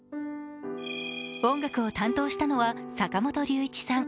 音楽を担当したのは坂本龍一さん。